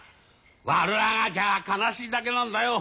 悪あがきは哀しいだけなんだよ！